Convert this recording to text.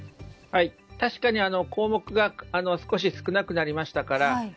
確かに、項目が少し少なくなりましたから。